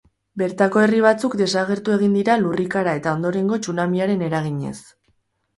Bertako herri batzuk desagertu egin dira lurrikara eta ondorengo tsunamiaren eraginez.